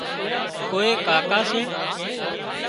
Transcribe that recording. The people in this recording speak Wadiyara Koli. ڪوئي ڪاڪا سي